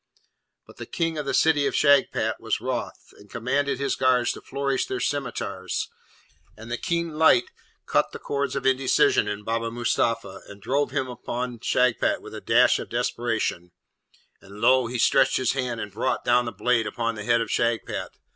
But the King of the City of Shagpat was wroth, and commanded his guards to flourish their scimitars, and the keen light cut the chords of indecision in Baba Mustapha, and drove him upon Shagpat with a dash of desperation; and lo! he stretched his hand and brought down the blade upon the head of Shagpat.